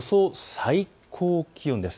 最高気温です。